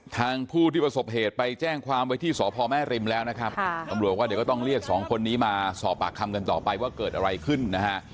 ทางผู้ที่ประสบเหตุไปแจ้งความไว้ที่สพแม่ริมแล้วนะครับตำรวจว่าเดี๋ยวก็ต้องเรียกสองคนนี้มาสอบปากคำกันต่อไปว่าเกิดอะไรขึ้นนะฮะ